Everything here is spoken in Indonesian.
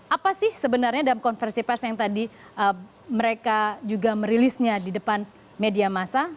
apa sih sebenarnya dalam konversi pers yang tadi mereka juga merilisnya di depan media masa